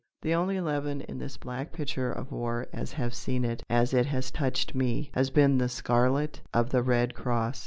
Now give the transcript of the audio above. The only leaven in this black picture of war as have seen it, as it has touched me, has been the scarlet of the Red Cross.